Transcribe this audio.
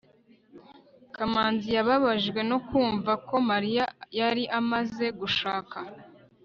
kamanzi yababajwe no kumva ko mariya yari amaze gushaka